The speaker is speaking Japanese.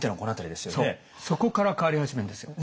そうそこから変わり始めるんですよ。